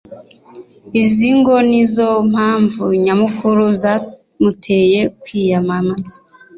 Izi ngo ni zo mpamvu nyamukuru zamuteye kwiyamamaza